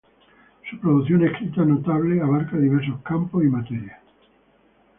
Su producción escrita, notable, abarca diversos campos y materias.